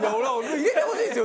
入れてほしいんですよ！